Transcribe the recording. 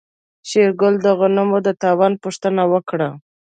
شېرګل د غنمو د تاوان پوښتنه وکړه.